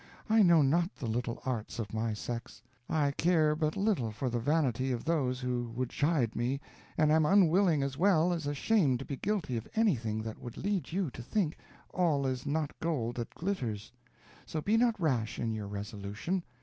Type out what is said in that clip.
I know not the little arts of my sex. I care but little for the vanity of those who would chide me, and am unwilling as well as ashamed to be guilty of anything that would lead you to think 'all is not gold that glitters'; so be not rash in your resolution.